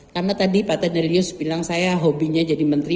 karena tadi pak tendelius bilang saya hobinya jadi menteri